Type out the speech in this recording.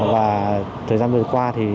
và thời gian vừa qua thì